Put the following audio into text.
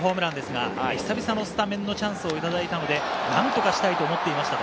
久々のスタメンのチャンスをいただいたので、何とかしたいと思っていました。